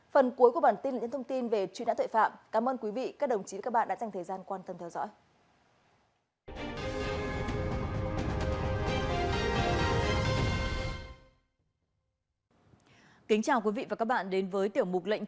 phần cuối của bản tin là những thông tin về truy nã tội phạm cảm ơn quý vị các đồng chí các bạn đã dành thời gian quan tâm theo dõi